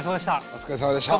お疲れさまでした。